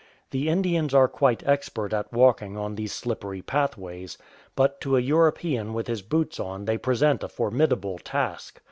The Indians are quite expert at walking on these slippery pathways, but to a European with his boots on they present a formidable task.